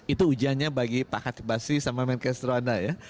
itu ujiannya bagi pak khatib basri sama menkes troanda ya